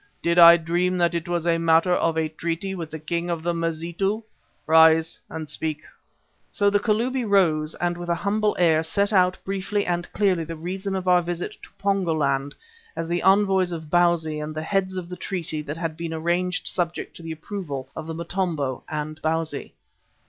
Did I dream that it was a matter of a treaty with the King of the Mazitu? Rise and speak." So the Kalubi rose and with a humble air set out briefly and clearly the reason of our visit to Pongo land as the envoys of Bausi and the heads of the treaty that had been arranged subject to the approval of the Motombo and Bausi.